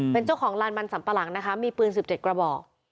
เป็นเจ้าของลานมันสัมปะหลังนะคะมีปืน๑๗กระบอก